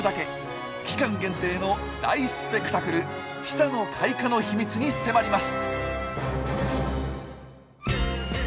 期間限定の大スペクタクル「ティサの開花」の秘密に迫ります。